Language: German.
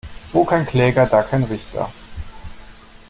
Wo kein Kläger, da kein Richter.